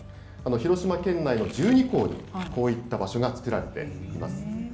広島県内の１２校にこういった場所が作られています。